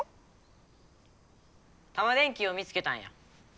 タマ電Ｑを見つけたんや。